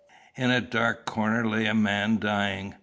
In a dark corner lay a man dying.